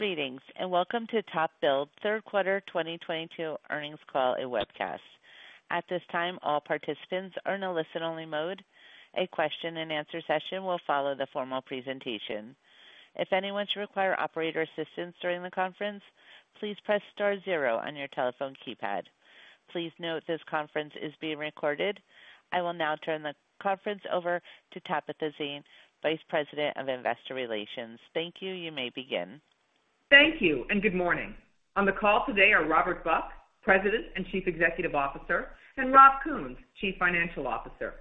Greetings, and welcome to TopBuild Third Quarter 2022 Earnings Call, a webcast. At this time, all participants are in a listen-only mode. A question-and-answer session will follow the formal presentation. If anyone should require operator assistance during the conference, please press star zero on your telephone keypad. Please note this conference is being recorded. I will now turn the conference over to Tabitha Zane, Vice President of Investor Relations. Thank you. You may begin. Thank you, and good morning. On the call today are Robert Buck, President and Chief Executive Officer, and Rob Kuhns, Chief Financial Officer.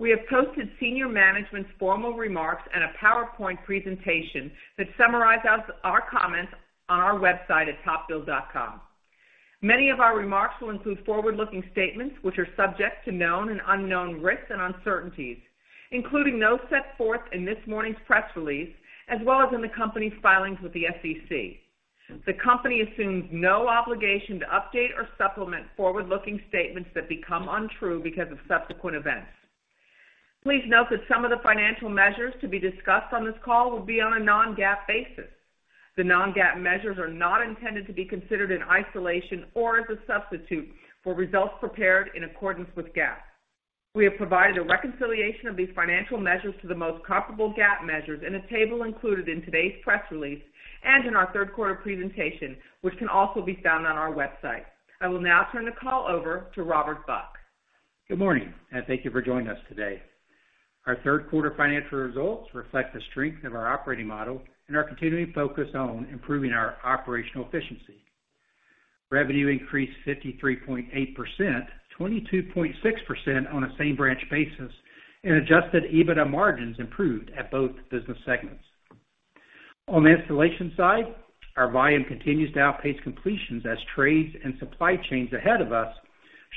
We have posted senior management's formal remarks and a PowerPoint presentation that summarizes our comments on our website at topbuild.com. Many of our remarks will include forward-looking statements which are subject to known and unknown risks and uncertainties, including those set forth in this morning's press release, as well as in the company's filings with the SEC. The company assumes no obligation to update or supplement forward-looking statements that become untrue because of subsequent events. Please note that some of the financial measures to be discussed on this call will be on a non-GAAP basis. The non-GAAP measures are not intended to be considered in isolation or as a substitute for results prepared in accordance with GAAP. We have provided a reconciliation of these financial measures to the most comparable GAAP measures in a table included in today's press release and in our third quarter presentation, which can also be found on our website. I will now turn the call over to Robert Buck. Good morning, and thank you for joining us today. Our third quarter financial results reflect the strength of our operating model and are continuing to focus on improving our operational efficiency. Revenue increased 53.8%, 22.6% on a same-branch basis, and adjusted EBITDA margins improved at both business segments. On the installation side, our volume continues to outpace completions as trades and supply chains ahead of us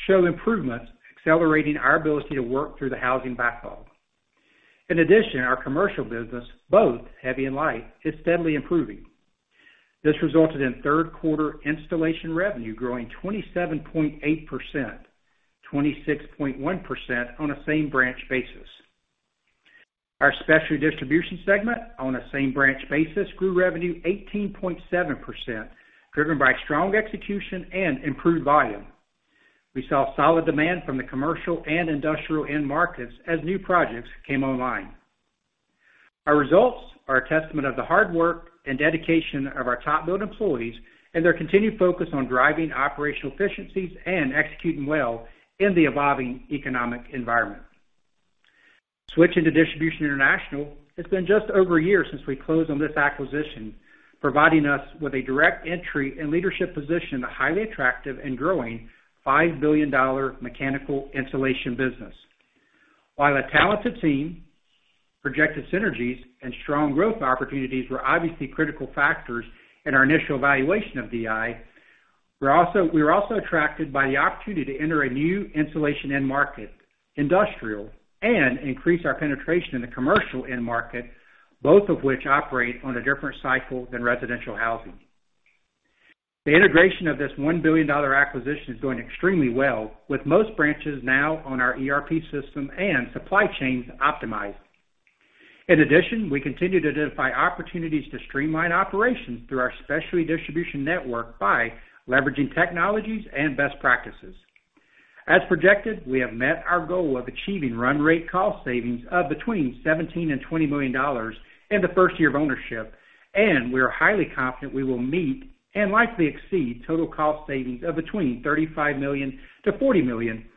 show improvements, accelerating our ability to work through the housing backlog. In addition, our commercial business, both heavy and light, is steadily improving. This resulted in third quarter installation revenue growing 27.8%, 26.1% on a same-branch basis. Our Specialty Distribution segment on a same-branch basis grew revenue 18.7%, driven by strong execution and improved volume. We saw solid demand from the commercial and industrial end markets as new projects came online. Our results are a testament of the hard work and dedication of our TopBuild employees and their continued focus on driving operational efficiencies and executing well in the evolving economic environment. Switching to Distribution International, it's been just over a year since we closed on this acquisition, providing us with a direct entry and leadership position in a highly attractive and growing $5 billion mechanical insulation business. While a talented team, projected synergies, and strong growth opportunities were obviously critical factors in our initial evaluation of DI, we were also attracted by the opportunity to enter a new installation end market, industrial, and increase our penetration in the commercial end market, both of which operate on a different cycle than residential housing. The integration of this $1 billion acquisition is going extremely well, with most branches now on our ERP system and supply chains optimized. In addition, we continue to identify opportunities to streamline operations through our specialty distribution network by leveraging technologies and best practices. As projected, we have met our goal of achieving run rate cost savings of between $17 million and $20 million in the first year of ownership, and we are highly confident we will meet and likely exceed total cost savings of between $35 million to $40 million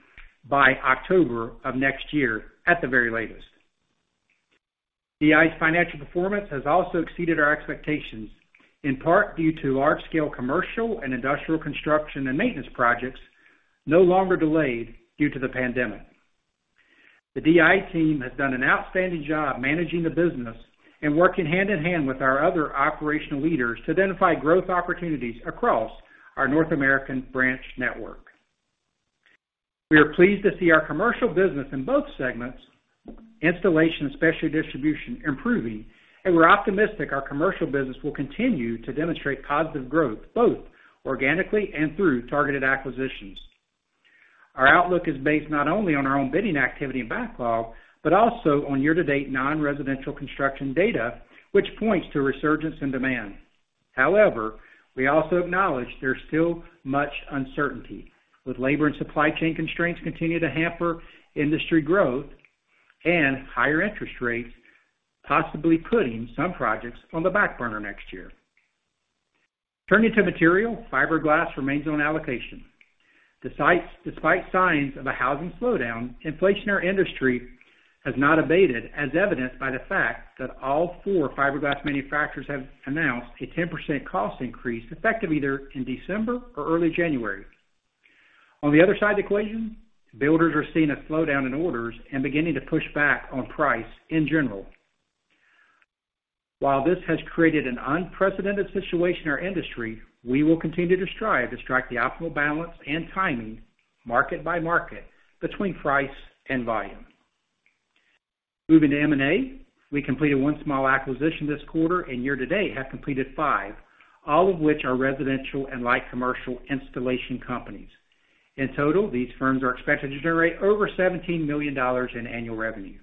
by October of next year at the very latest. DI's financial performance has also exceeded our expectations, in part due to large-scale commercial and industrial construction and maintenance projects no longer delayed due to the pandemic. The DI team has done an outstanding job managing the business and working hand-in-hand with our other operational leaders to identify growth opportunities across our North American branch network. We are pleased to see our commercial business in both segments, installation and specialty distribution, improving, and we're optimistic our commercial business will continue to demonstrate positive growth, both organically and through targeted acquisitions. Our outlook is based not only on our own bidding activity and backlog, but also on year-to-date non-residential construction data, which points to a resurgence in demand. However, we also acknowledge there's still much uncertainty, with labor and supply chain constraints continuing to hamper industry growth and higher interest rates, possibly putting some projects on the back burner next year. Turning to material, fiberglass remains on allocation. Despite signs of a housing slowdown, inflation in our industry has not abated, as evidenced by the fact that all four fiberglass manufacturers have announced a 10% cost increase effective either in December or early January. On the other side of the equation, builders are seeing a slowdown in orders and beginning to push back on price in general. While this has created an unprecedented situation in our industry, we will continue to strive to strike the optimal balance and timing market by market between price and volume. Moving to M&A, we completed one small acquisition this quarter and year to date have completed five, all of which are residential and light commercial installation companies. In total, these firms are expected to generate over $17 million in annual revenue.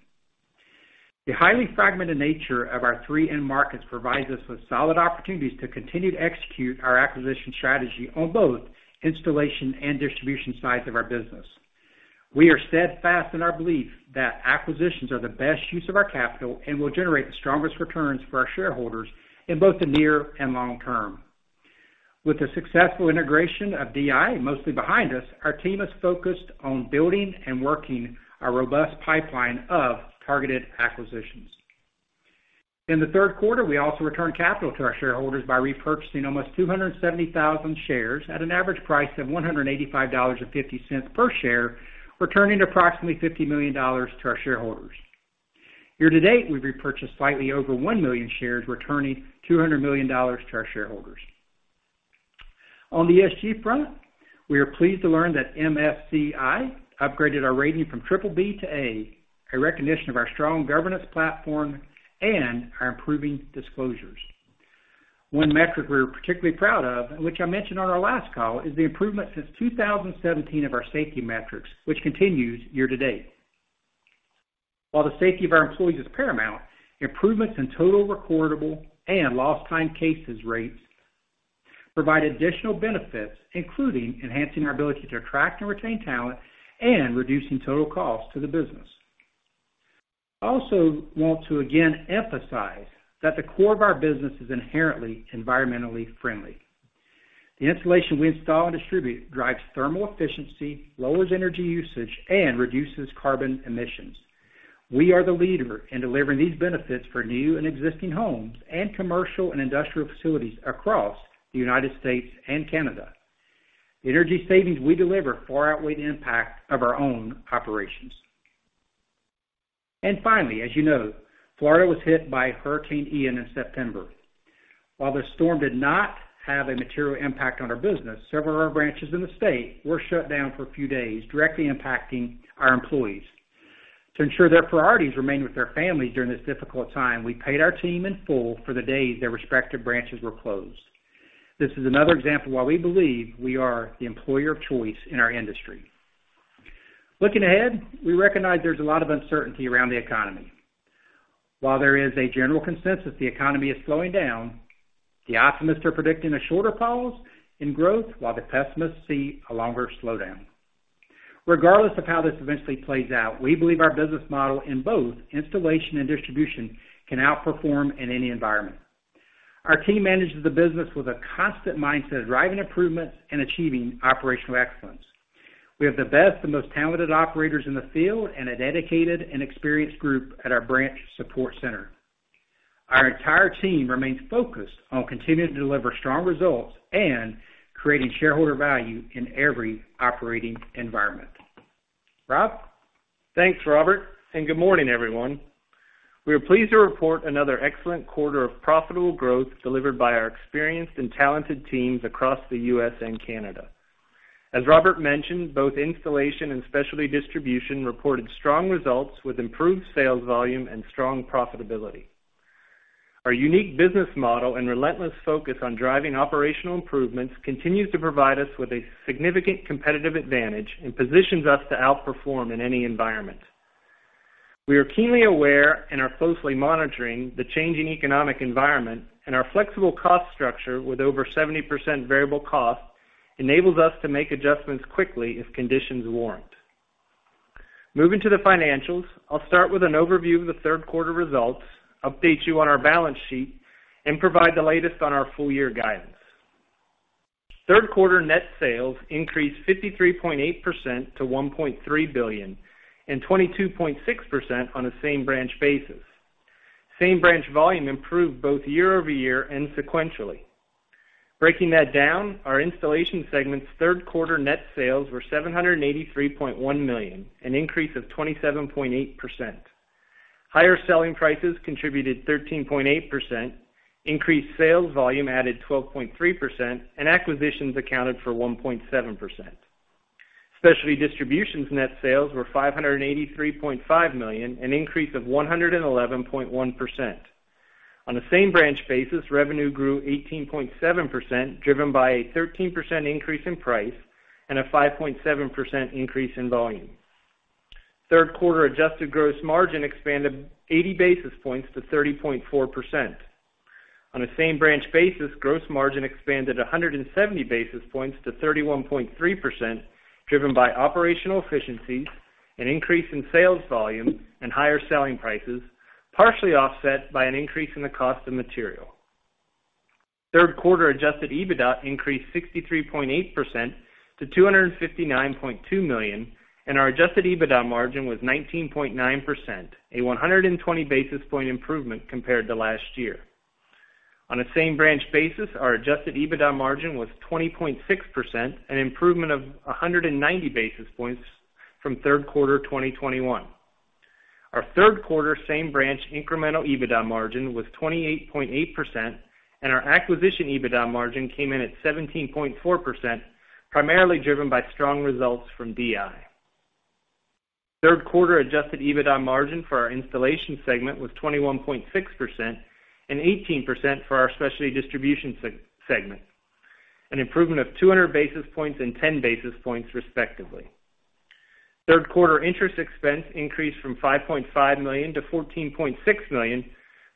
The highly fragmented nature of our three end markets provides us with solid opportunities to continue to execute our acquisition strategy on both installation and distribution sides of our business. We are steadfast in our belief that acquisitions are the best use of our capital and will generate the strongest returns for our shareholders in both the near and long term. With the successful integration of DI mostly behind us, our team is focused on building and working a robust pipeline of targeted acquisitions. In the third quarter, we also returned capital to our shareholders by repurchasing almost 270,000 shares at an average price of $185.50 per share, returning approximately $50 million to our shareholders. Year to date, we've repurchased slightly over 1 million shares, returning $200 million to our shareholders. On the ESG front, we are pleased to learn that MSCI upgraded our rating from BBB to A, a recognition of our strong governance platform and our improving disclosures. One metric we're particularly proud of, which I mentioned on our last call, is the improvement since 2017 of our safety metrics, which continues year to date. While the safety of our employees is paramount, improvements in total recordable and lost time cases rates provide additional benefits, including enhancing our ability to attract and retain talent and reducing total costs to the business. Also want to again emphasize that the core of our business is inherently environmentally friendly. The installation we install and distribute drives thermal efficiency, lowers energy usage, and reduces carbon emissions. We are the leader in delivering these benefits for new and existing homes and commercial and industrial facilities across the United States and Canada. The energy savings we deliver far outweigh the impact of our own operations. Finally, as you know, Florida was hit by Hurricane Ian in September. While the storm did not have a material impact on our business, several of our branches in the state were shut down for a few days, directly impacting our employees. To ensure their priorities remained with their families during this difficult time, we paid our team in full for the days their respective branches were closed. This is another example why we believe we are the employer of choice in our industry. Looking ahead, we recognize there's a lot of uncertainty around the economy. While there is a general consensus the economy is slowing down, the optimists are predicting a shorter pause in growth while the pessimists see a longer slowdown. Regardless of how this eventually plays out, we believe our business model in both installation and distribution can outperform in any environment. Our team manages the business with a constant mindset of driving improvements and achieving operational excellence. We have the best and most talented operators in the field and a dedicated and experienced group at our branch support center. Our entire team remains focused on continuing to deliver strong results and creating shareholder value in every operating environment. Rob? Thanks, Robert, and good morning, everyone. We are pleased to report another excellent quarter of profitable growth delivered by our experienced and talented teams across the U.S. and Canada. As Robert mentioned, both installation and specialty distribution reported strong results with improved sales volume and strong profitability. Our unique business model and relentless focus on driving operational improvements continues to provide us with a significant competitive advantage and positions us to outperform in any environment. We are keenly aware and are closely monitoring the changing economic environment and our flexible cost structure with over 70% variable costs enables us to make adjustments quickly if conditions warrant. Moving to the financials, I'll start with an overview of the third quarter results, update you on our balance sheet, and provide the latest on our full year guidance. Third quarter net sales increased 53.8% to $1.3 billion and 22.6% on a same branch basis. Same branch volume improved both year-over-year and sequentially. Breaking that down, our Installation segment's third quarter net sales were $783.1 million, an increase of 27.8%. Higher selling prices contributed 13.8%, increased sales volume added 12.3%, and acquisitions accounted for 1.7%. Specialty Distribution's net sales were $583.5 million, an increase of 111.1%. On a same branch basis, revenue grew 18.7%, driven by a 13% increase in price and a 5.7% increase in volume. Third quarter adjusted gross margin expanded 80 basis points to 30.4%. On a same branch basis, gross margin expanded 170 basis points to 31.3%, driven by operational efficiencies, an increase in sales volume, and higher selling prices, partially offset by an increase in the cost of material. Third quarter adjusted EBITDA increased 63.8% to $259.2 million, and our adjusted EBITDA margin was 19.9%, a 120 basis point improvement compared to last year. On a same branch basis, our adjusted EBITDA margin was 20.6%, an improvement of 190 basis points from third quarter 2021. Our third quarter same branch incremental EBITDA margin was 28.8%, and our acquisition EBITDA margin came in at 17.4%, primarily driven by strong results from DI. Third quarter adjusted EBITDA margin for our Installation segment was 21.6% and 18% for our Specialty Distribution segment. An improvement of 200 basis points and 10 basis points respectively. Third quarter interest expense increased from $5.5 million to $14.6 million,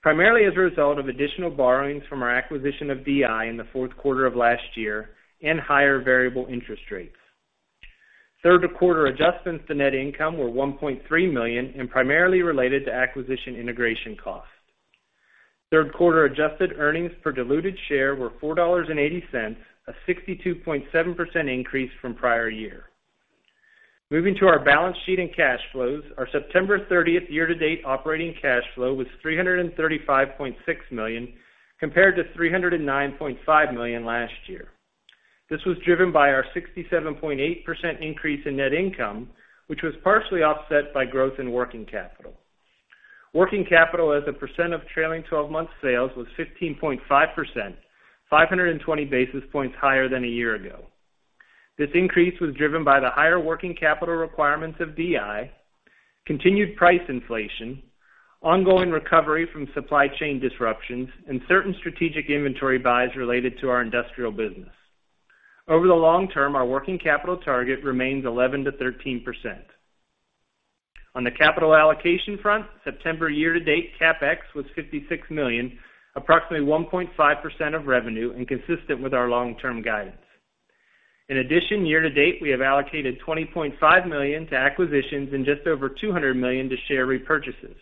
primarily as a result of additional borrowings from our acquisition of DI in the fourth quarter of last year and higher variable interest rates. Third quarter adjustments to net income were $1.3 million and primarily related to acquisition integration costs. Third quarter adjusted earnings per diluted share were $4.80, a 62.7% increase from prior year. Moving to our balance sheet and cash flows. Our September 30 year-to-date operating cash flow was $335.6 million compared to $309.5 million last year. This was driven by our 67.8% increase in net income, which was partially offset by growth in working capital. Working capital as a percent of trailing twelve months sales was 15.5%, 520 basis points higher than a year ago. This increase was driven by the higher working capital requirements of DI, continued price inflation, ongoing recovery from supply chain disruptions and certain strategic inventory buys related to our industrial business. Over the long term, our working capital target remains 11%-13%. On the capital allocation front, September year-to-date CapEx was $56 million, approximately 1.5% of revenue and consistent with our long-term guidance. In addition, year-to-date, we have allocated $20.5 million to acquisitions and just over $200 million to share repurchases.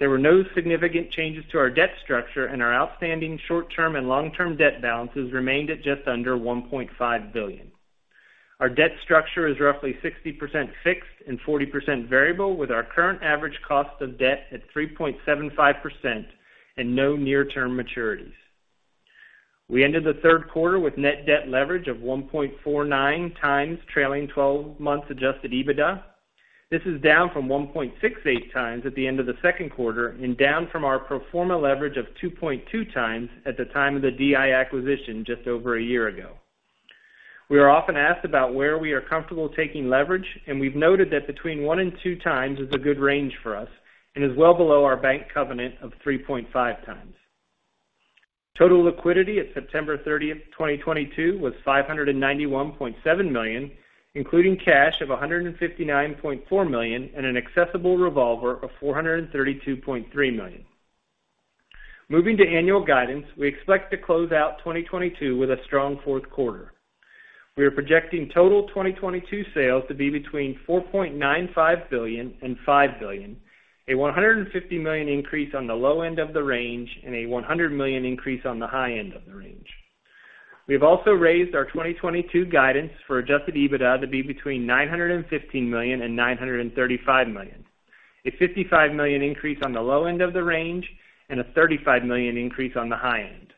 There were no significant changes to our debt structure, and our outstanding short-term and long-term debt balances remained at just under $1.5 billion. Our debt structure is roughly 60% fixed and 40% variable, with our current average cost of debt at 3.75% and no near-term maturities. We ended the third quarter with net debt leverage of 1.49x trailing twelve months adjusted EBITDA. This is down from 1.68x at the end of the second quarter and down from our pro forma leverage of 2.2x at the time of the DI acquisition just over a year ago. We are often asked about where we are comfortable taking leverage, and we've noted that between 1-2x is a good range for us and is well below our bank covenant of 3.5x. Total liquidity at September 30, 2022 was $591.7 million, including cash of $159.4 million and an accessible revolver of $432.3 million. Moving to annual guidance, we expect to close out 2022 with a strong fourth quarter. We are projecting total 2022 sales to be between $4.95 billion and $5 billion, a $150 million increase on the low end of the range and a $100 million increase on the high end of the range. We've also raised our 2022 guidance for adjusted EBITDA to be between $915 million and $935 million, a $55 million increase on the low end of the range and a $35 million increase on the high end.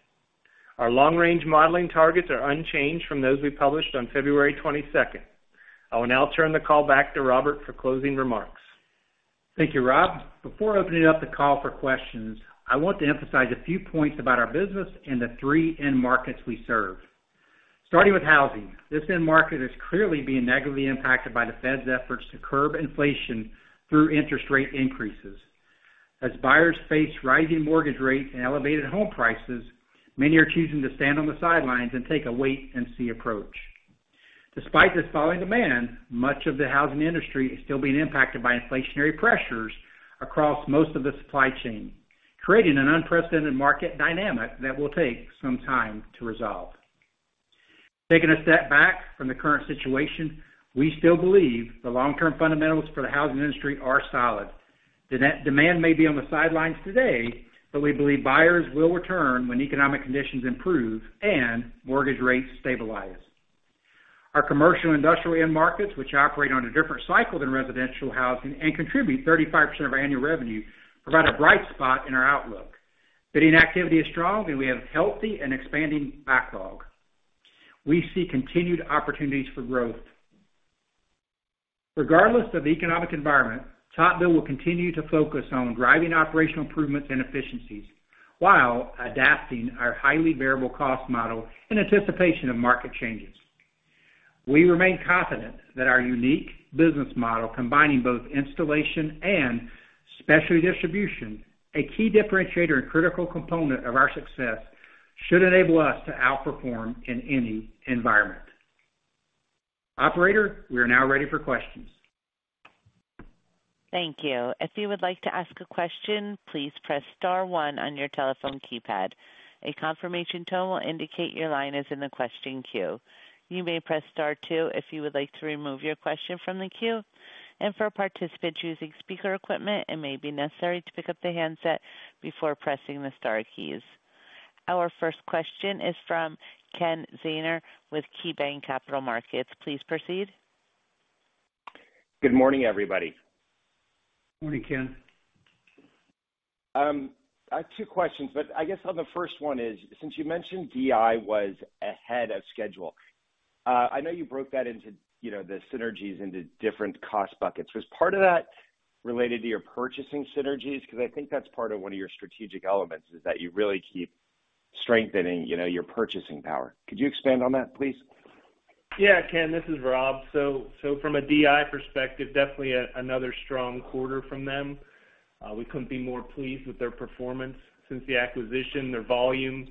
Our long-range modeling targets are unchanged from those we published on February 22. I will now turn the call back to Robert for closing remarks. Thank you, Rob. Before opening up the call for questions, I want to emphasize a few points about our business and the three end markets we serve. Starting with housing, this end market is clearly being negatively impacted by the Fed's efforts to curb inflation through interest rate increases. As buyers face rising mortgage rates and elevated home prices, many are choosing to stand on the sidelines and take a wait and see approach. Despite this falling demand, much of the housing industry is still being impacted by inflationary pressures across most of the supply chain, creating an unprecedented market dynamic that will take some time to resolve. Taking a step back from the current situation, we still believe the long-term fundamentals for the housing industry are solid. Demand may be on the sidelines today, but we believe buyers will return when economic conditions improve and mortgage rates stabilize. Our commercial industrial end markets, which operate on a different cycle than residential housing and contribute 35% of our annual revenue, provide a bright spot in our outlook. Bidding activity is strong, and we have healthy and expanding backlog. We see continued opportunities for growth. Regardless of the economic environment, TopBuild will continue to focus on driving operational improvements and efficiencies while adapting our highly variable cost model in anticipation of market changes. We remain confident that our unique business model, combining both installation and specialty distribution, a key differentiator and critical component of our success, should enable us to outperform in any environment. Operator, we are now ready for questions. Thank you. If you would like to ask a question, please press star one on your telephone keypad. A confirmation tone will indicate your line is in the question queue. You may press Star two if you would like to remove your question from the queue. For participants using speaker equipment, it may be necessary to pick up the handset before pressing the star keys. Our first question is from Kenneth Zener with KeyBanc Capital Markets. Please proceed. Good morning, everybody. Morning, Ken. I have two questions, but I guess on the first one is, since you mentioned DI was ahead of schedule, I know you broke that into, you know, the synergies into different cost buckets. Was part of that related to your purchasing synergies? Because I think that's part of one of your strategic elements, is that you really keep strengthening, you know, your purchasing power. Could you expand on that, please? Yeah, Ken, this is Rob. From a DI perspective, definitely another strong quarter from them. We couldn't be more pleased with their performance since the acquisition. Their volume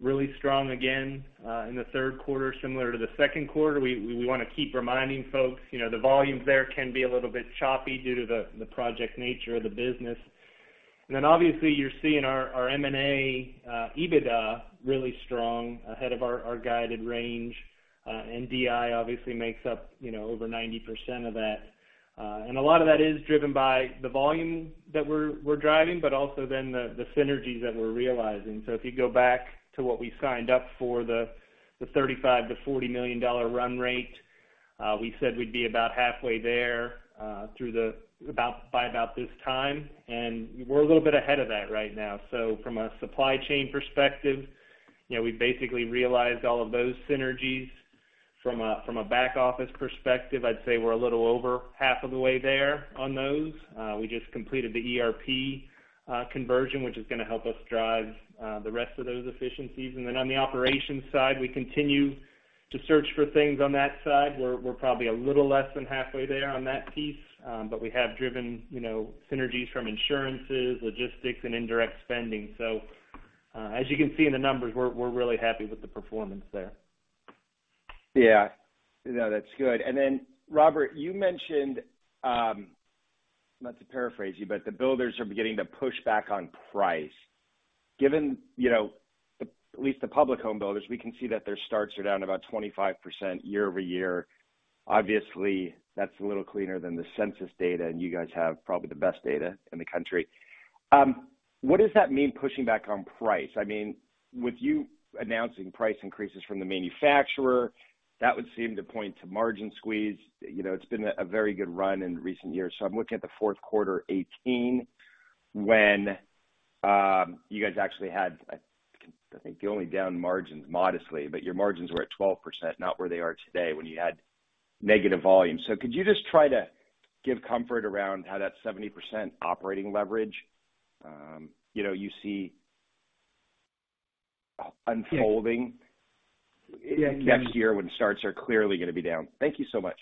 really strong again in the third quarter, similar to the second quarter. We wanna keep reminding folks, you know, the volumes there can be a little bit choppy due to the project nature of the business. Obviously, you're seeing our M&A EBITDA really strong ahead of our guided range. DI obviously makes up, you know, over 90% of that. A lot of that is driven by the volume that we're driving, but also the synergies that we're realizing. If you go back to what we signed up for, the $35 million-$40 million run rate, we said we'd be about halfway there by about this time, and we're a little bit ahead of that right now. From a supply chain perspective, you know, we basically realized all of those synergies. From a back office perspective, I'd say we're a little over half of the way there on those. We just completed the ERP conversion, which is gonna help us drive the rest of those efficiencies. On the operations side, we continue to search for things on that side. We're probably a little less than halfway there on that piece, but we have driven, you know, synergies from insurances, logistics, and indirect spending. As you can see in the numbers, we're really happy with the performance there. Yeah. No, that's good. Robert, you mentioned, not to paraphrase you, but the builders are beginning to push back on price. Given, you know, at least the public home builders, we can see that their starts are down about 25% year-over-year. Obviously, that's a little cleaner than the census data, and you guys have probably the best data in the country. What does that mean pushing back on price? I mean, with you announcing price increases from the manufacturer, that would seem to point to margin squeeze. You know, it's been a very good run in recent years. I'm looking at the fourth quarter 2018 when you guys actually had, I think you only drew down margins modestly, but your margins were at 12%, not where they are today when you had negative volume. Could you just try to give comfort around how that 70% operating leverage, you know, you see unfolding next year when starts are clearly gonna be down? Thank you so much.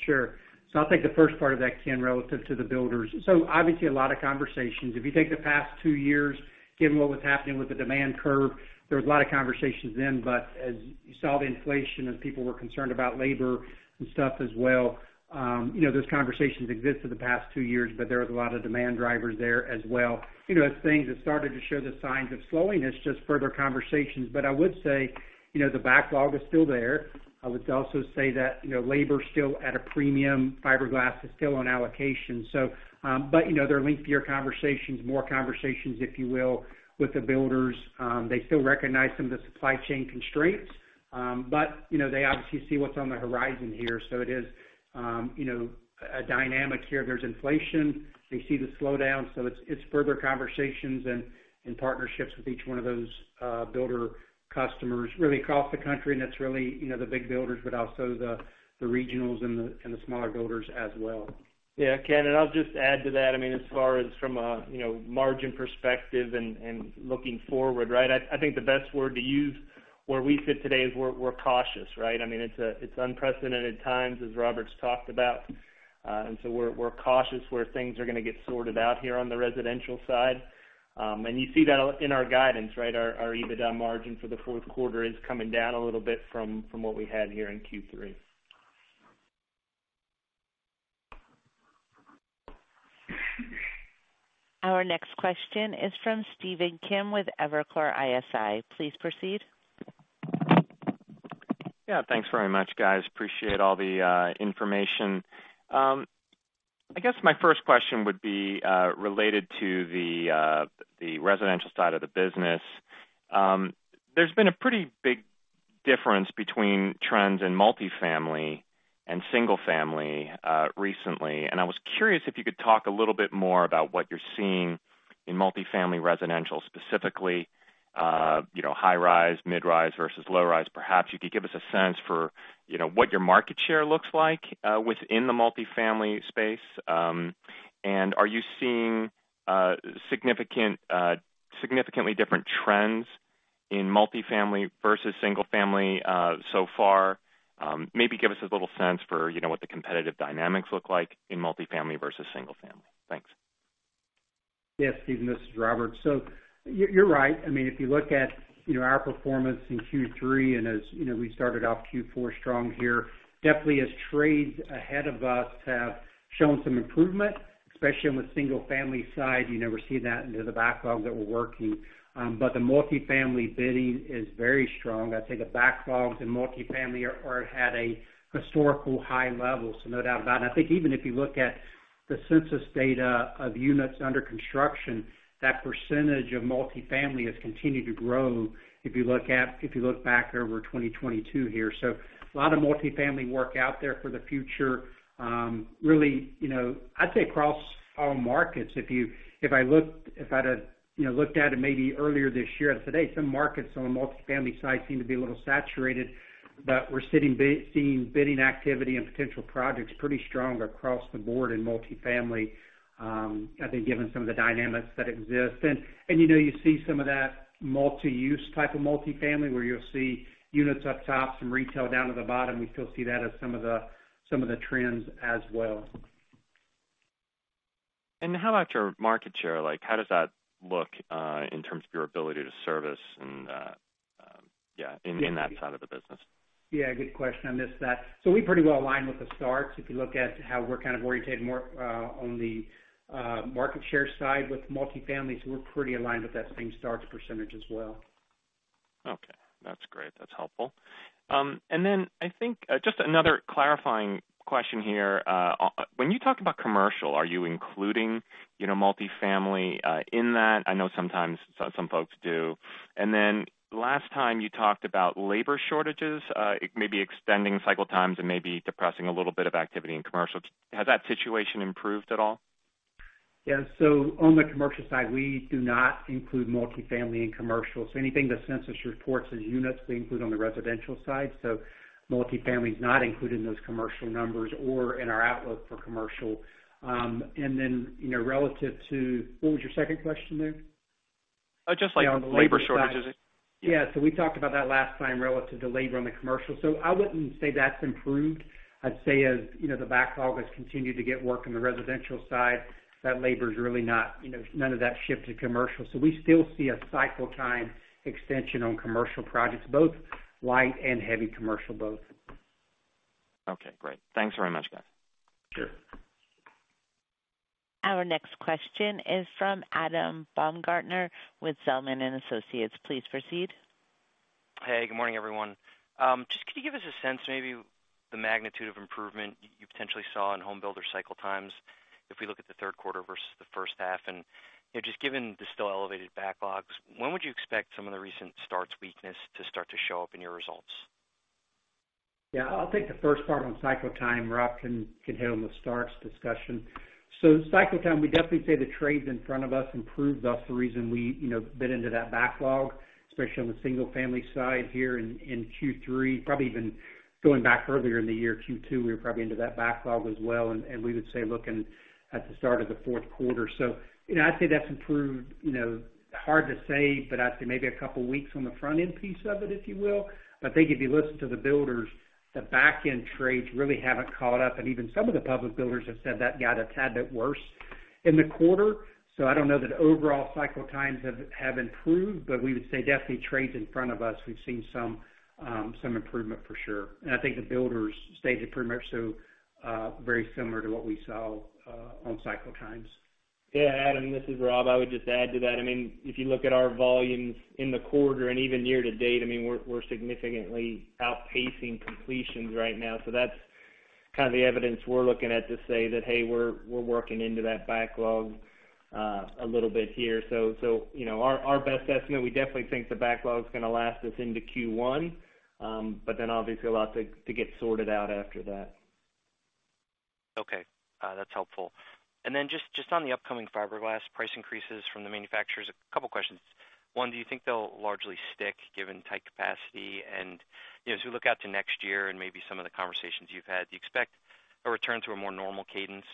Sure. I'll take the first part of that, Ken, relative to the builders. Obviously a lot of conversations. If you take the past two years, given what was happening with the demand curve, there was a lot of conversations then. As you saw the inflation and people were concerned about labor and stuff as well, you know, those conversations existed the past two years, but there was a lot of demand drivers there as well. You know, as things have started to show the signs of slowing, it's just further conversations. I would say, you know, the backlog is still there. I would also say that, you know, labor is still at a premium. Fiberglass is still on allocation. You know, they're lengthier conversations, more conversations, if you will, with the builders. They still recognize some of the supply chain constraints, but, you know, they obviously see what's on the horizon here. It is, you know, a dynamic here. There's inflation. They see the slowdown, so it's further conversations and partnerships with each one of those builder customers really across the country. It's really, you know, the big builders, but also the regionals and the smaller builders as well. Yeah. Ken, I'll just add to that. I mean, as far as from a, you know, margin perspective and looking forward, right? I think the best word to use where we sit today is we're cautious, right? I mean, it's unprecedented times as Robert's talked about. We're cautious where things are gonna get sorted out here on the residential side. You see that in our guidance, right? Our EBITDA margin for the fourth quarter is coming down a little bit from what we had here in Q3. Our next question is from Stephen Kim with Evercore ISI. Please proceed. Yeah. Thanks very much, guys. Appreciate all the information. I guess my first question would be related to the residential side of the business. There's been a pretty big difference between trends in multifamily and single family recently, and I was curious if you could talk a little bit more about what you're seeing in multifamily residential, specifically, you know, high rise, mid-rise versus low rise. Perhaps you could give us a sense for, you know, what your market share looks like within the multifamily space. And are you seeing significantly different trends in multifamily versus single family so far? Maybe give us a little sense for, you know, what the competitive dynamics look like in multifamily versus single family. Thanks. Yeah. Stephen, this is Robert. You're right. I mean, if you look at, you know, our performance in Q3, and as you know, we started off Q4 strong here, definitely as trades ahead of us have shown some improvement, especially on the single family side. You never see that into the backlogs that we're working. The multifamily bidding is very strong. I'd say the backlogs in multifamily are at a historical high level, so no doubt about it. I think even if you look at the census data of units under construction, that percentage of multifamily has continued to grow if you look back over 2022 here. A lot of multifamily work out there for the future. Really, you know, I'd say across all markets, if I'd have looked at it maybe earlier this year as of today, some markets on the multifamily side seem to be a little saturated, but we're seeing bidding activity and potential projects pretty strong across the board in multifamily, I think given some of the dynamics that exist. You know, you see some of that multi-use type of multifamily where you'll see units up top, some retail down at the bottom. We still see that as some of the trends as well. How about your market share? Like how does that look, in terms of your ability to service and in that side of the business? Yeah, good question. I missed that. We pretty well align with the starts. If you look at how we're kind of orientated more on the market share side with multifamily, so we're pretty aligned with that same starts percentage as well. Okay, that's great. That's helpful. I think just another clarifying question here. When you talk about commercial, are you including, you know, multifamily, in that? I know sometimes some folks do. Last time you talked about labor shortages, it may be extending cycle times and maybe depressing a little bit of activity in commercial. Has that situation improved at all? Yeah. On the commercial side, we do not include multifamily and commercial. Anything the census reports as units, we include on the residential side. Multifamily is not included in those commercial numbers or in our outlook for commercial. You know, relative to what was your second question there? Just like labor shortages. Yeah. We talked about that last time relative to labor on the commercial. I wouldn't say that's improved. I'd say, as you know, the backlog has continued to get work on the residential side, that labor is really not, you know, none of that shifted commercial. We still see a cycle time extension on commercial projects, both light and heavy commercial. Okay, great. Thanks very much, guys. Sure. Our next question is from Adam Baumgarten with Zelman & Associates. Please proceed. Hey, good morning, everyone. Just could you give us a sense maybe the magnitude of improvement you potentially saw in home builder cycle times if we look at the third quarter versus the first half? You know, just given the still elevated backlogs, when would you expect some of the recent starts weakness to start to show up in your results? Yeah. I'll take the first part on cycle time. Rob can hit on the starts discussion. Cycle time, we definitely say the trades in front of us improved. That's the reason we, you know, bid into that backlog, especially on the single family side here in Q3, probably even going back earlier in the year. Q2, we were probably into that backlog as well, and we would say looking at the start of the fourth quarter. I'd say that's improved, you know. Hard to say, but I'd say maybe a couple of weeks on the front-end piece of it, if you will. But I think if you listen to the builders, the back-end trades really haven't caught up. Even some of the public builders have said that got a tad bit worse in the quarter. I don't know that overall cycle times have improved, but we would say definitely trades in front of us, we've seen some improvement for sure. I think the builders stated pretty much so, very similar to what we saw on cycle times. Yeah, Adam, this is Rob. I would just add to that. I mean, if you look at our volumes in the quarter and even year to date, I mean, we're significantly outpacing completions right now. That's the evidence we're looking at to say that, hey, we're working into that backlog a little bit here. You know, our best estimate, we definitely think the backlog is gonna last us into Q1. Then obviously a lot to get sorted out after that. Okay, that's helpful. Just on the upcoming fiberglass price increases from the manufacturers, a couple questions. One, do you think they'll largely stick given tight capacity? You know, as we look out to next year and maybe some of the conversations you've had, do you expect a return to a more normal cadence,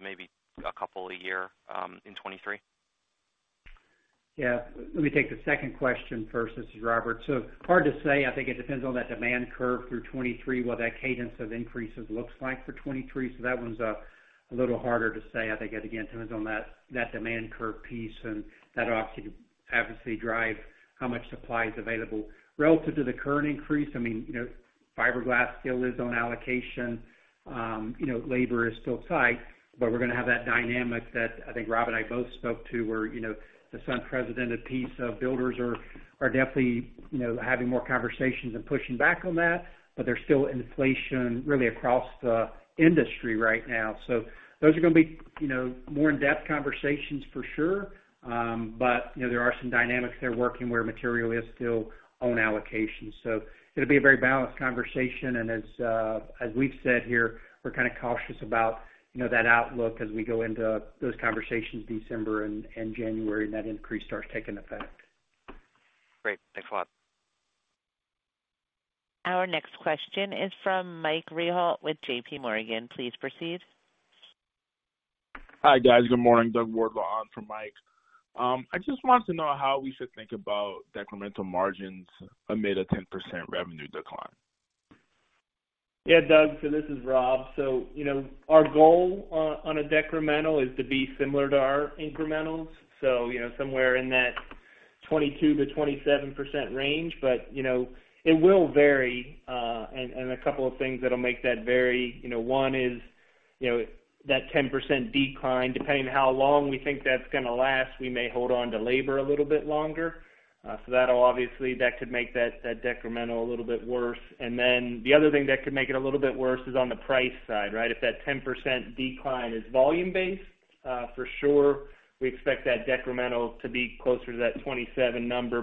maybe a couple a year, in 2023? Yeah. Let me take the second question first. This is Robert. Hard to say. I think it depends on that demand curve through 2023, what that cadence of increases looks like for 2023. That one's a little harder to say. I think it again turns on that demand curve piece, and that obviously drives how much supply is available. Relative to the current increase, I mean, you know, fiberglass still is on allocation. You know, labor is still tight, but we're gonna have that dynamic that I think Rob and I both spoke to where, you know, this unprecedented piece of builders are definitely, you know, having more conversations and pushing back on that. There's still inflation really across the industry right now. Those are gonna be, you know, more in-depth conversations for sure. you know, there are some dynamics there working where material is still on allocation. It'll be a very balanced conversation. As we've said here, we're kind of cautious about, you know, that outlook as we go into those conversations December and January and that increase starts taking effect. Great. Thanks a lot. Our next question is from Michael Rehaut with JPMorgan. Please proceed. Hi, guys. Good morning. Doug Wardlaw on for Mike. I just want to know how we should think about decremental margins amid a 10% revenue decline. Yeah, Doug, so this is Rob. You know, our goal on a decremental is to be similar to our incrementals, so, you know, somewhere in that 22%-27% range. You know, it will vary. A couple of things that'll make that vary, you know, one is, you know, that 10% decline, depending on how long we think that's gonna last, we may hold on to labor a little bit longer. That'll obviously, that could make that decremental a little bit worse. The other thing that could make it a little bit worse is on the price side, right? If that 10% decline is volume-based, for sure, we expect that decremental to be closer to that 27 number.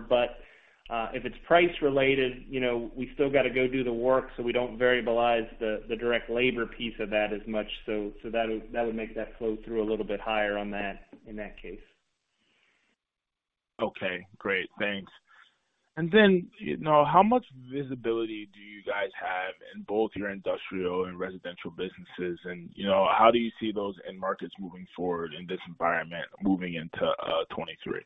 If it's price related, you know, we still got to go do the work, so we don't variabilize the direct labor piece of that as much. That would make that flow through a little bit higher on that in that case. Okay, great. Thanks. You know, how much visibility do you guys have in both your industrial and residential businesses? You know, how do you see those end markets moving forward in this environment moving into 2023?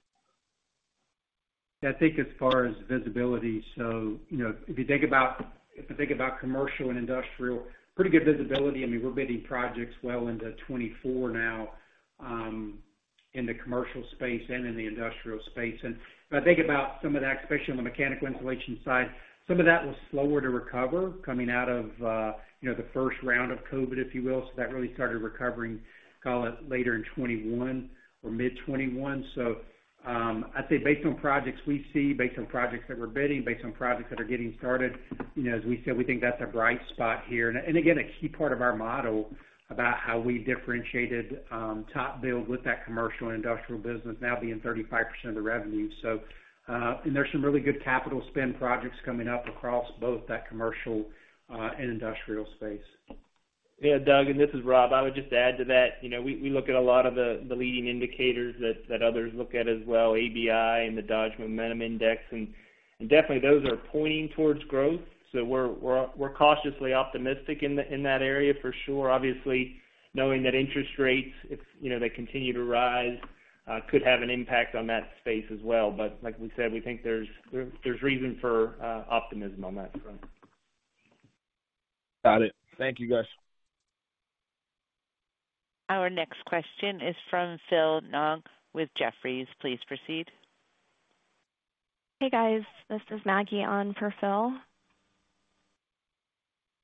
I think as far as visibility. You know, if you think about commercial and industrial, pretty good visibility. I mean, we're bidding projects well into 2024 now, in the commercial space and in the industrial space. If I think about some of that, especially on the mechanical insulation side, some of that was slower to recover coming out of, you know, the first round of COVID, if you will. I'd say based on projects we see, based on projects that we're bidding, based on projects that are getting started, you know, as we said, we think that's a bright spot here. Again, a key part of our model about how we differentiated TopBuild with that commercial and industrial business now being 35% of the revenue. And there's some really good capital spending projects coming up across both that commercial and industrial space. Yeah, Doug, and this is Rob. I would just add to that. You know, we look at a lot of the leading indicators that others look at as well, ABI and the Dodge Momentum Index. Definitely those are pointing toward growth. We're cautiously optimistic in that area for sure. Obviously, knowing that interest rates, if you know, they continue to rise, could have an impact on that space as well. Like we said, we think there's reason for optimism on that front. Got it. Thank you, guys. Our next question is from Philip Ng with Jefferies. Please proceed. Hey, guys. This is Maggie on for Phil.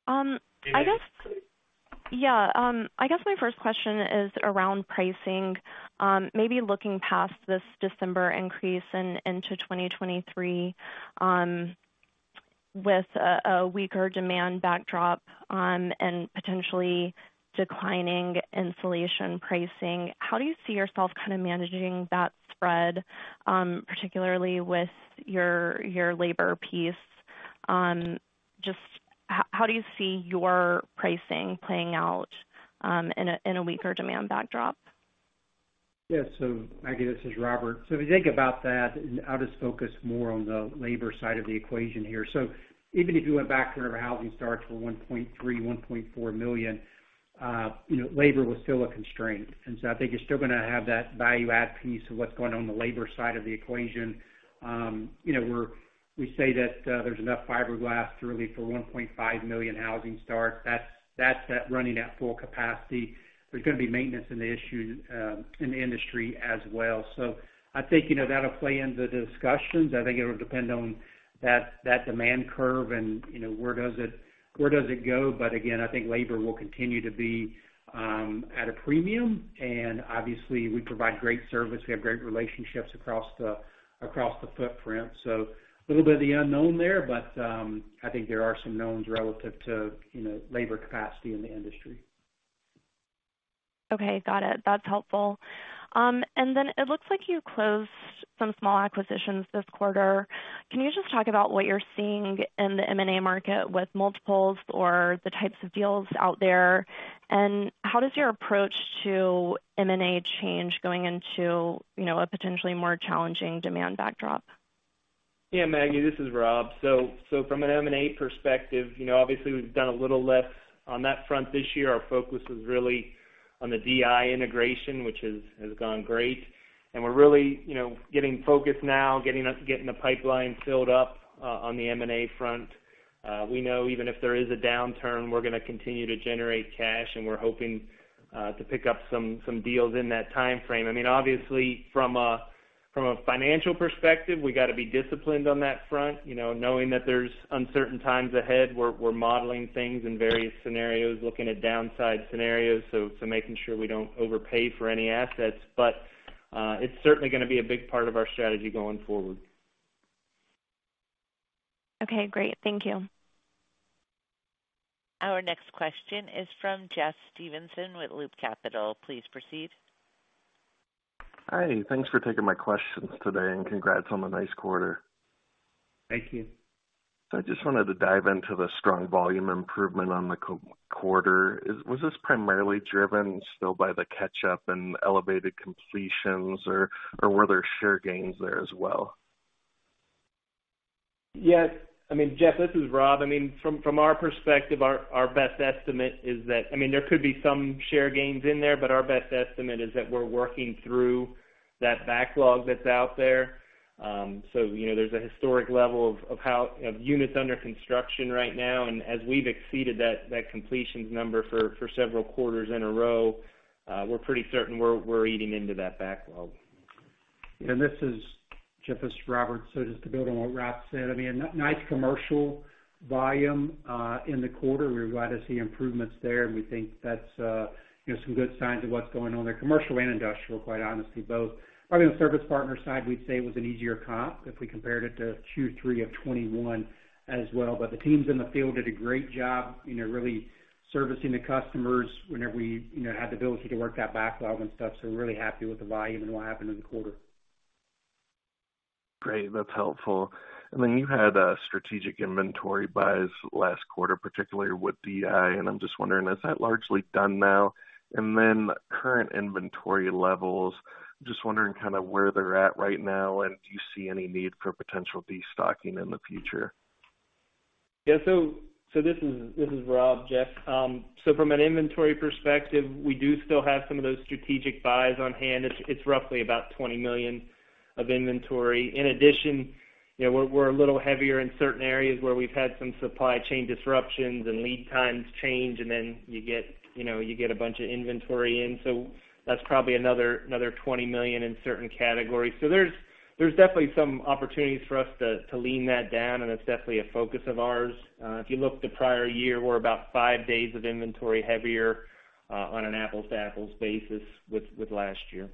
I guess. Hey, Maggie. Yeah. I guess my first question is around pricing. Maybe looking past this December increase and into 2023, with a weaker demand backdrop, and potentially declining insulation pricing, how do you see yourself kind of managing that spread, particularly with your labor piece? Just how do you see your pricing playing out, in a weaker demand backdrop? Yeah. Maggie, this is Robert. If you think about that, I'll just focus more on the labor side of the equation here. Even if you went back to whenever housing starts were 1.3, 1.4 million, you know, labor was still a constraint. I think you're still gonna have that value add piece of what's going on in the labor side of the equation. You know, we say that there's enough fiberglass really for 1.5 million housing starts. That's that running at full capacity. There's gonna be maintenance and issues in the industry as well. I think, you know, that'll play into discussions. I think it'll depend on that demand curve and, you know, where does it go. Again, I think labor will continue to be at a premium. Obviously we provide great service. We have great relationships across the footprint. A little bit of the unknown there, but I think there are some knowns relative to you know labor capacity in the industry. Okay. Got it. That's helpful. It looks like you closed some small acquisitions this quarter. Can you just talk about what you're seeing in the M&A market with multiples or the types of deals out there? How does your approach to M&A change going into, you know, a potentially more challenging demand backdrop? Yeah, Maggie, this is Rob. From an M&A perspective, you know, obviously we've done a little less on that front this year. Our focus was really on the DI integration, which has gone great. We're really, you know, getting focused now, getting the pipeline filled up on the M&A front. We know even if there is a downturn, we're gonna continue to generate cash, and we're hoping to pick up some deals in that timeframe. I mean, obviously from a financial perspective, we gotta be disciplined on that front, you know, knowing that there's uncertain times ahead. We're modeling things in various scenarios, looking at downside scenarios, so making sure we don't overpay for any assets. It's certainly gonna be a big part of our strategy going forward. Okay, great. Thank you. Our next question is from Jeff Stevenson with Loop Capital. Please proceed. Hi. Thanks for taking my questions today, and congrats on a nice quarter. Thank you. I just wanted to dive into the strong volume improvement on the quarter. Was this primarily driven still by the catch-up and elevated completions or were there share gains there as well? Yes. I mean, Jeff, this is Rob. I mean, from our perspective, our best estimate is that, I mean, there could be some share gains in there, but our best estimate is that we're working through that backlog that's out there. So, you know, there's a historic level of units under construction right now. As we've exceeded that completions number for several quarters in a row, we're pretty certain we're eating into that backlog. This is Jeff, it's Robert. Just to build on what Rob said, I mean, nice commercial volume in the quarter. We're glad to see improvements there. We think that's, you know, some good signs of what's going on there, commercial and industrial, quite honestly, both. Probably on the service partner side, we'd say it was an easier comp if we compared it to Q3 of 2021 as well. The teams in the field did a great job, you know, really servicing the customers whenever we, you know, had the ability to work that backlog and stuff. We're really happy with the volume and what happened in the quarter. Great. That's helpful. You had strategic inventory buys last quarter, particularly with DI, and I'm just wondering, is that largely done now? Current inventory levels, just wondering kind of where they're at right now, and do you see any need for potential destocking in the future? Yeah. This is Rob, Jeff. From an inventory perspective, we do still have some of those strategic buys on hand. It's roughly about $20 million of inventory. In addition, you know, we're a little heavier in certain areas where we've had some supply chain disruptions and lead times change, and then you get, you know, a bunch of inventory in. That's probably another $20 million in certain categories. There's definitely some opportunities for us to lean that down, and that's definitely a focus of ours. If you look at the prior year, we're about five days of inventory heavier on an apples-to-apples basis with last year.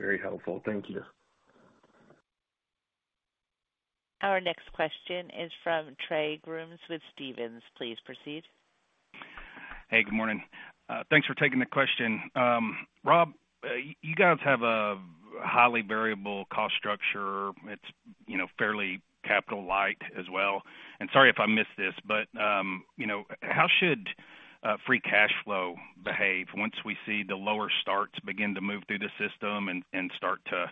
Very helpful. Thank you. Our next question is from Trey Grooms with Stephens. Please proceed. Hey, good morning. Thanks for taking the question. Rob, you guys have a highly variable cost structure. It's, you know, fairly capital light as well. Sorry if I missed this, but you know, how should free cash flow behave once we see the lower starts begin to move through the system and start to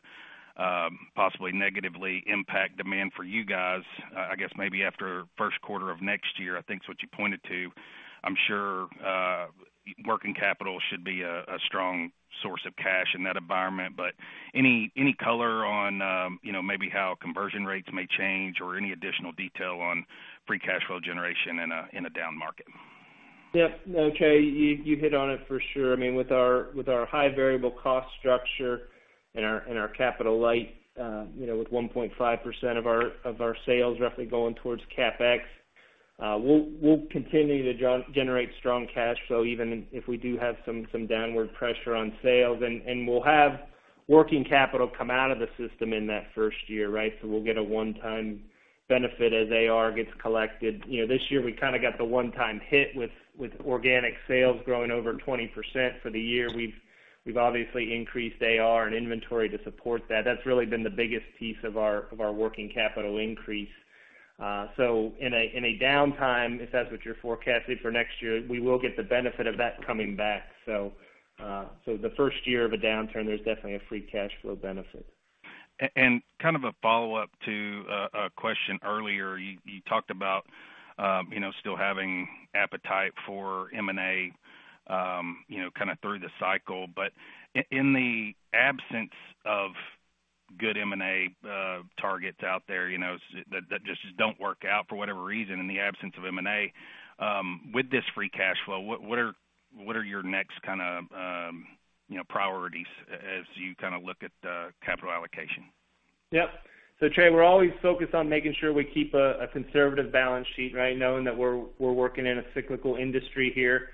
possibly negatively impact demand for you guys, I guess maybe after first quarter of next year, I think is what you pointed to. I'm sure working capital should be a strong source of cash in that environment, but any color on you know, maybe how conversion rates may change or any additional detail on free cash flow generation in a down market? Yeah. Okay. You hit on it for sure. I mean, with our high variable cost structure and our capital light, you know, with 1.5% of our sales roughly going towards CapEx, we'll continue to generate strong cash flow even if we do have some downward pressure on sales. We'll have working capital come out of the system in that first year, right? We'll get a one-time benefit as AR gets collected. You know, this year we kind of got the one-time hit with organic sales growing over 20% for the year. We've obviously increased AR and inventory to support that. That's really been the biggest piece of our working capital increase. In a downtime, if that's what you're forecasting for next year, we will get the benefit of that coming back. The first year of a downturn, there's definitely a free cash flow benefit. Kind of a follow-up to a question earlier. You talked about, you know, still having appetite for M&A, you know, kind of through the cycle. In the absence of good M&A targets out there, you know, that just don't work out for whatever reason, in the absence of M&A, with this free cash flow, what are your next kind of, you know, priorities as you kind of look at capital allocation? Yep. Trey, we're always focused on making sure we keep a conservative balance sheet, right? Knowing that we're working in a cyclical industry here.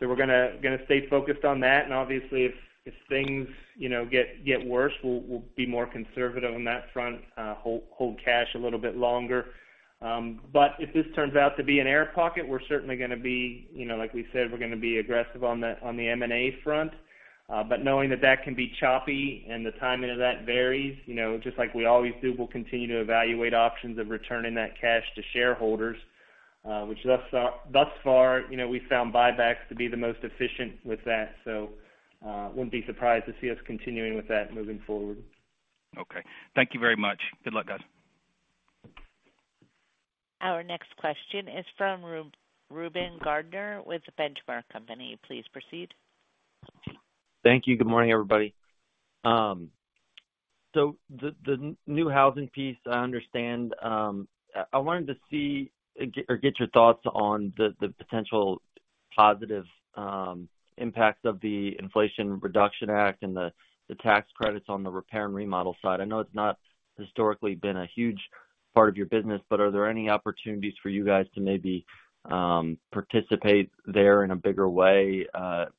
We're gonna stay focused on that. Obviously if things, you know, get worse, we'll be more conservative on that front, hold cash a little bit longer. If this turns out to be an air pocket, we're certainly gonna be, you know, like we said, gonna be aggressive on the M&A front. Knowing that that can be choppy and the timing of that varies, you know, just like we always do, we'll continue to evaluate options of returning that cash to shareholders, which thus far, you know, we found buybacks to be the most efficient with that. Wouldn't be surprised to see us continuing with that moving forward. Okay. Thank you very much. Good luck, guys. Our next question is from Reuben Garner with The Benchmark Company. Please proceed. Thank you. Good morning, everybody. The new housing piece, I understand. I wanted to see or get your thoughts on the potential positive impacts of the Inflation Reduction Act and the tax credits on the repair and remodel side. I know it's not historically been a huge part of your business, but are there any opportunities for you guys to maybe participate there in a bigger way,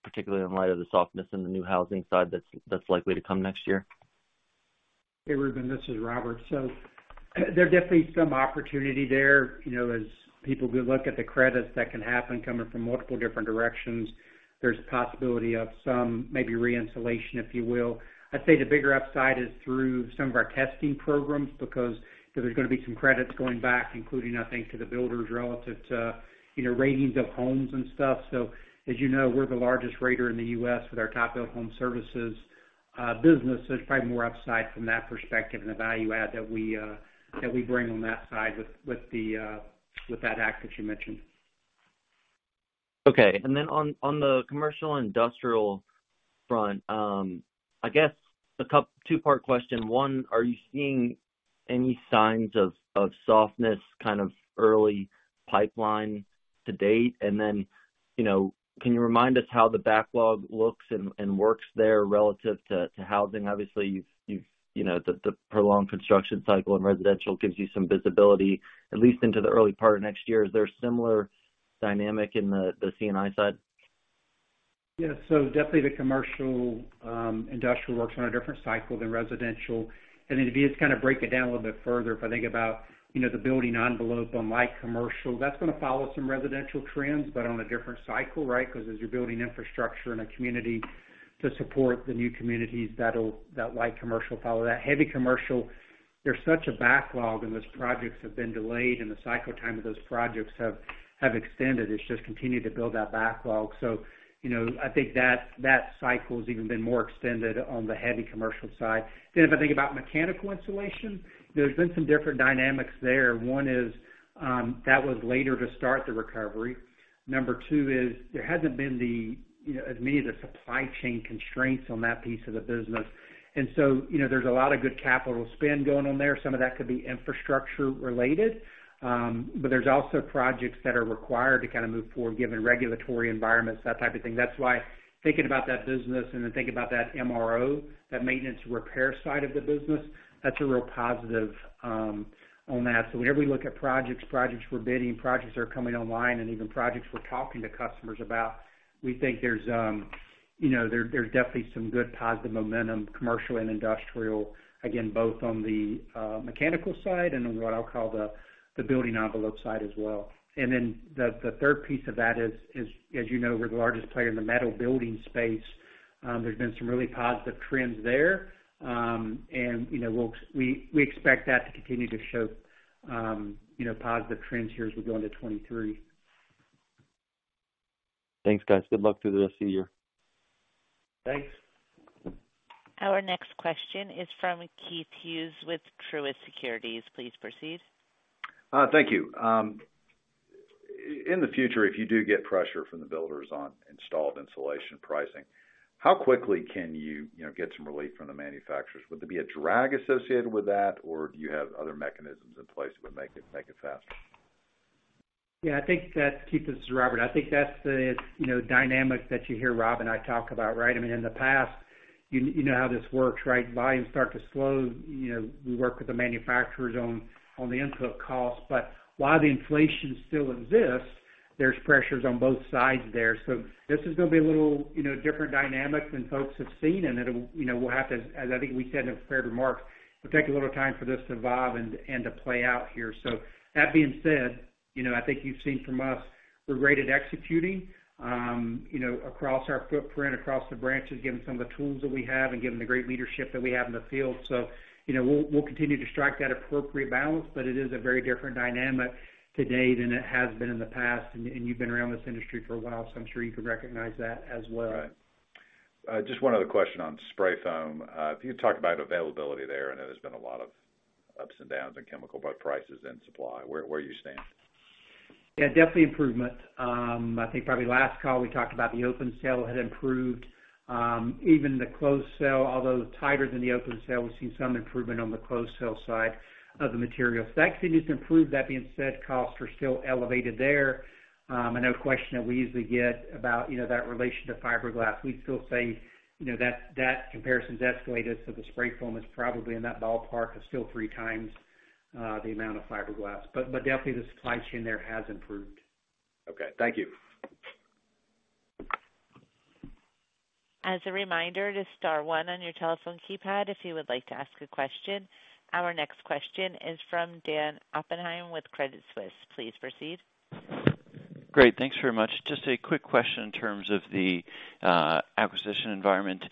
particularly in light of the softness in the new housing side that's likely to come next year? Hey, Reuben, this is Robert. There are definitely some opportunity there, you know, as people do look at the credits that can happen coming from multiple different directions. There's a possibility of some maybe re-installation, if you will. I'd say the bigger upside is through some of our testing programs because there's gonna be some credits going back, including, I think, to the builders relative to, you know, ratings of homes and stuff. As you know, we're the largest rater in the U.S. with our TopBuild Home Services business. There's probably more upside from that perspective and the value add that we bring on that side with that act that you mentioned. Okay. On the commercial and industrial front, I guess a two-part question. One, are you seeing any signs of softness in the early pipeline to date? Can you remind us how the backlog looks and works there relative to housing? Obviously, the prolonged construction cycle in residential gives you some visibility, at least into the early part of next year. Is there a similar dynamic in the C&I side? Yeah. Definitely the commercial, industrial works on a different cycle than residential. If you just kind of break it down a little bit further, if I think about, you know, the building envelope on light commercial, that's gonna follow some residential trends, but on a different cycle, right? Because as you're building infrastructure in a community to support the new communities, that light commercial follow that. Heavy commercial, there's such a backlog, and those projects have been delayed, and the cycle time of those projects have extended. It's just continued to build that backlog. You know, I think that cycle has even been more extended on the heavy commercial side. If I think about mechanical insulation, there's been some different dynamics there. One is, that was later to start the recovery. Number two is there hasn't been the, you know, as many of the supply chain constraints on that piece of the business. You know, there's a lot of good capital spend going on there. Some of that could be infrastructure related. But there's also projects that are required to kind of move forward, given regulatory environments, that type of thing. That's why thinking about that business and then thinking about that MRO, that maintenance repair side of the business, that's a real positive on that. Whenever we look at projects we're bidding, projects that are coming online and even projects we're talking to customers about, we think there's, you know, there's definitely some good positive momentum, commercial and industrial, again, both on the mechanical side and on what I'll call the building envelope side as well. The third piece of that is, as you know, we're the largest player in the metal building space. There's been some really positive trends there. You know, we expect that to continue to show, you know, positive trends here as we go into 2023. Thanks, guys. Good luck through the rest of the year. Thanks. Our next question is from Keith Hughes with Truist Securities. Please proceed. Thank you. In the future, if you do get pressure from the builders on installed insulation pricing, how quickly can you know, get some relief from the manufacturers? Would there be a drag associated with that, or do you have other mechanisms in place that would make it faster? Yeah, I think that's, Keith, this is Robert. I think that's the, you know, dynamic that you hear Rob and I talk about, right? I mean, in the past, you know how this works, right? Volumes start to slow, you know, we work with the manufacturers on the input costs. While the inflation still exists, there's pressures on both sides there. This is gonna be a little, you know, different dynamic than folks have seen, and it'll, you know, we'll have to as I think we said in the prepared remarks, it'll take a little time for this to vibe and to play out here. That being said, you know, I think you've seen from us we're great at executing, you know, across our footprint, across the branches, given some of the tools that we have and given the great leadership that we have in the field. You know, we'll continue to strike that appropriate balance. It is a very different dynamic today than it has been in the past. You've been around this industry for a while, so I'm sure you can recognize that as well. Right. Just one other question on spray foam. If you talk about availability there, I know there's been a lot of ups and downs in chemical, both prices and supply. Where do you stand? Yeah, definitely improvement. I think probably last call we talked about the open cell had improved. Even the closed cell, although tighter than the open cell, we've seen some improvement on the closed cell side of the materials. So that continues to improve. That being said, costs are still elevated there. I know a question that we usually get about, you know, that relation to fiberglass. We'd still say, you know, that comparison's escalated. So the spray foam is probably in that ballpark of still three times the amount of fiberglass. But definitely the supply chain there has improved. Okay. Thank you. As a reminder to star one on your telephone keypad if you would like to ask a question. Our next question is from Dan Oppenheim with Credit Suisse. Please proceed. Great. Thanks very much. Just a quick question in terms of the acquisition environment.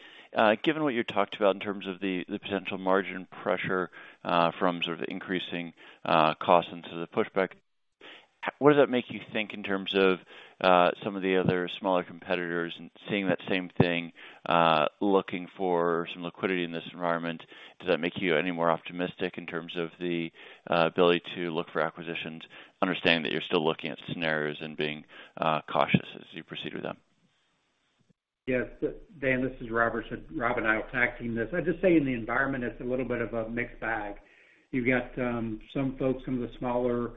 Given what you talked about in terms of the potential margin pressure from sort of increasing costs into the pushback, what does that make you think in terms of some of the other smaller competitors and seeing that same thing looking for some liquidity in this environment? Does that make you any more optimistic in terms of the ability to look for acquisitions, understanding that you're still looking at scenarios and being cautious as you proceed with them? Yes. Dan, this is Robert. Rob and I will tag team this. I'd just say in the environment, it's a little bit of a mixed bag. You've got, some folks, some of the smaller,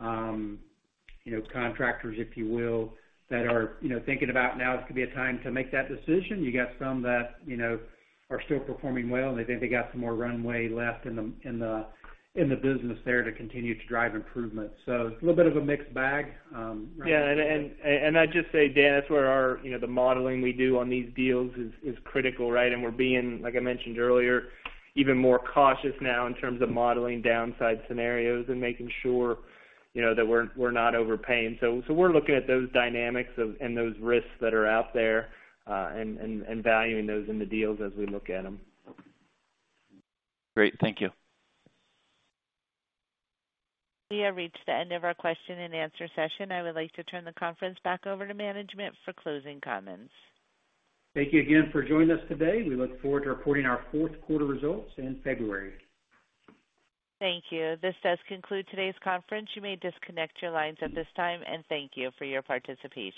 you know, contractors, if you will, that are, you know, thinking about now as could be a time to make that decision. You got some that you know are still performing well, and they think they got some more runway left in the business there to continue to drive improvement. It's a little bit of a mixed bag. Yeah. I'd just say, Dan, that's where our, you know, the modeling we do on these deals is critical, right? We're being, like I mentioned earlier, even more cautious now in terms of modeling downside scenarios and making sure, you know, that we're not overpaying. We're looking at those dynamics and those risks that are out there, and valuing those in the deals as we look at them. Great. Thank you. We have reached the end of our question and answer session. I would like to turn the conference back over to management for closing comments. Thank you again for joining us today. We look forward to reporting our fourth quarter results in February. Thank you. This does conclude today's conference. You may disconnect your lines at this time, and thank you for your participation.